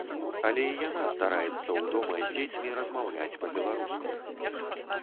Але і яна стараецца ў дома з дзецьмі размаўляць па-беларуску.